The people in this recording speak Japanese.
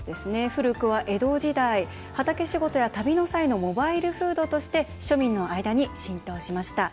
古くは江戸時代、畑仕事や旅の際のモバイルフードとして庶民の間に浸透しました。